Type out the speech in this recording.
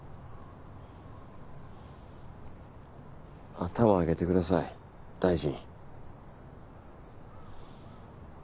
頭上げてください大臣。